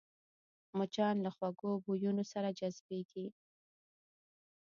مچان له خوږو بویونو سره جذبېږي